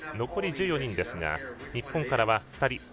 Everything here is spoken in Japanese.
残り１４人ですが日本からは２人。